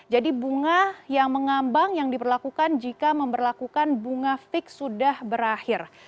jadi bunga yang mengambang yang diperlakukan jika memberlakukan bunga fix sudah berakhir